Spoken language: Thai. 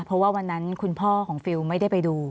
เพราะว่าวันนั้นคุณพ่อของฟิลไม่ได้ไปดู